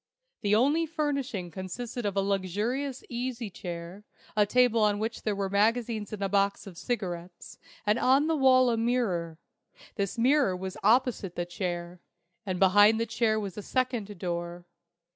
The only furnishing consisted of a luxurious easy chair, a table on which were magazines and a box of cigarettes, and on the wall a mirror. This mirror was opposite the chair; and behind the chair was a second door.